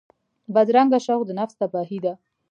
بدرنګه شوق د نفس تباهي ده